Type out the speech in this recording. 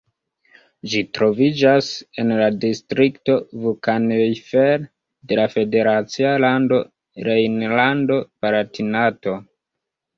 Ĝi troviĝas en la distrikto Vulkaneifel de la federacia lando Rejnlando-Palatinato.